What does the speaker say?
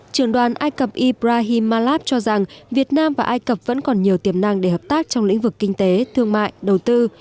trưởng đoàn ai cập ibrahi malab cho rằng việt nam và ai cập vẫn còn nhiều tiềm năng để hợp tác trong lĩnh vực kinh tế thương mại đầu tư